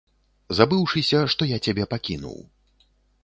Забыўшыся, што я цябе пакінуў.